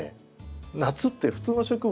夏って普通の植物